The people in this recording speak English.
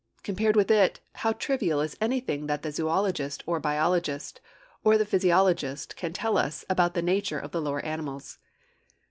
Compared with it, how trivial is anything that the zoölogist or biologist or the physiologist can tell us about the nature of the lower animals!